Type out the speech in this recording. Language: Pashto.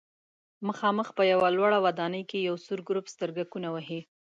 مخامخ په یوه لوړه ودانۍ کې یو سور ګروپ سترګکونه وهي.